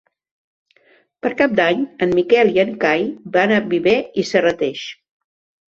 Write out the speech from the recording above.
Per Cap d'Any en Miquel i en Cai van a Viver i Serrateix.